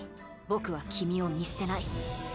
僕は君を見捨てない